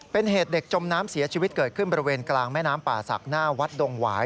เป็นเหตุเด็กจมน้ำเสียชีวิตเกิดขึ้นบริเวณกลางแม่น้ำป่าศักดิ์หน้าวัดดงหวาย